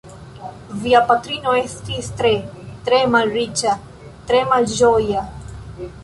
Via patrino estis tre, tre malriĉa, tre malĝoja.